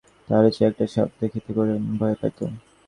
তাহার চেয়ে একটা সাপ যদি দেখিত করুণা কম ভয় পাইত।